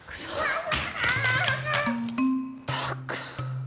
ったく。